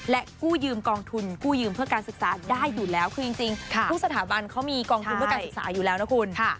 และกู้ยืมกองทุนกู้ยืมเพื่อการศึกษาได้อยู่แล้วคือจริงทุกสถาบันเขามีกองทุนเพื่อการศึกษาอยู่แล้วนะคุณ